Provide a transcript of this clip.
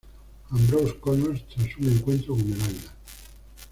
Ambrose Connors tras un encuentro con El Águila.